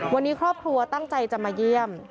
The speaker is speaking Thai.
วันนี้ครอบครัวตั้งใจจะมาเยี่ยม